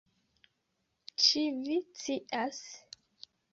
Ĉi vi scias?